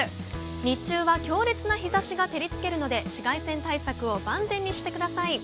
日中は強烈な日差しが照りつけるので紫外線対策を万全にしてください。